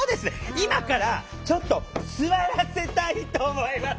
今からちょっと座らせたいと思います。